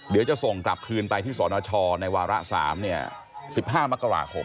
เดี๋ยวจะส่งกลับคืนไปที่สนชในวาระ๓๑๕มกราคม